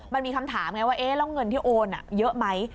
มันมีคำถามไงว่าแล้วเงินที่โอนเยอะไหม